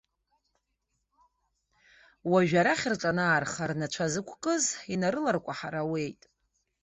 Уажәы, арахь рҿанаарха, рнацәа зықәкыз инарыларкәаҳар ауеит.